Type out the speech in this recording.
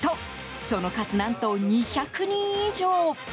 その数、何と２００人以上。